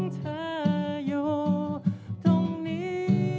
เธออยู่ตรงนี้